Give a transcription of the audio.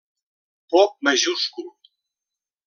Pop majúscul.